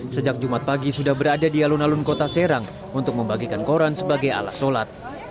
sejak jumat pagi sudah berada di alun alun kota serang untuk membagikan koran sebagai alas sholat